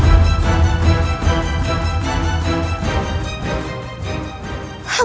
aku harus mencari pertambahan